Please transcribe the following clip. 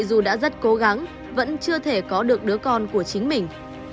dù đã rất cố gắng vẫn chưa thể có được đứa con của chính mình